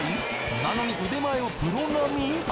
なのに腕前はプロ並み！？